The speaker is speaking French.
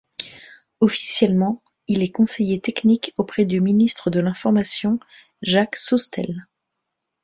Officiellement, il est conseiller technique auprès du Ministre de l'Information Jacques Soustelle.